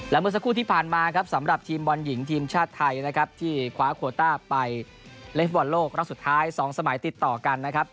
และเมื่อสักครู่ที่ผ่านมาครับสำหรับทีมบอลหญิงทีมชาติไทยนะครับที่คว้าโคต้าไปเล่นฟุตบอลโลกรอบสุดท้าย๒สมัยติดต่อกันนะครับ